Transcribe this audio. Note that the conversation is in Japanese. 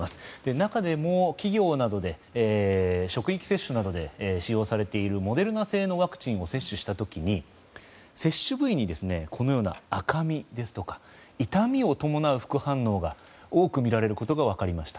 中でも、企業などで職域接種などで使用されているモデルナ製のワクチンを接種した時に、接種部位にこのような赤みですとか痛みを伴う副反応が多く見られることが分かりました。